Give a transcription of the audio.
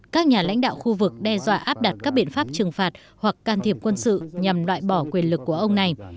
các nhà lãnh đạo khu vực đe dọa áp đặt các biện pháp trừng phạt hoặc can thiệp quân sự nhằm loại bỏ quyền lực của ông này